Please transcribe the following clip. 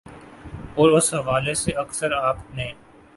اور اس حوالے سے اکثر آپ نے